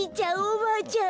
おばあちゃん